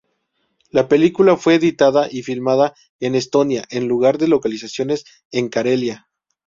La película fue editada y filmada en Estonia en lugar de localizaciones en Karelia.